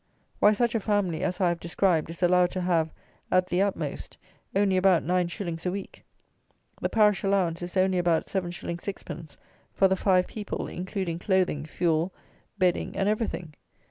Why such a family as I have described is allowed to have, at the utmost, only about 9_s._ a week. The parish allowance is only about 7_s._ 6_d._ for the five people, including clothing, fuel, bedding and everything!